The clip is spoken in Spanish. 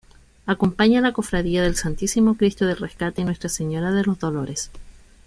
Acompaña la Cofradía del Santísimo Cristo del Rescate y Nuestra Señora de los Dolores.